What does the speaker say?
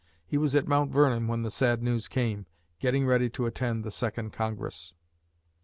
He was at Mount Vernon when the sad news came, getting ready to attend the second Congress.